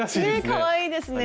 かわいいですね。